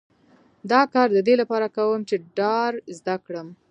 دا کار د دې لپاره کوم چې ډار زده کړم